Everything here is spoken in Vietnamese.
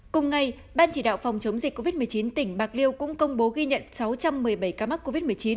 cùng ngày ban chỉ đạo phòng chống dịch covid một mươi chín tỉnh bạc liêu cũng công bố ghi nhận sáu trăm một mươi bảy ca mắc covid một mươi chín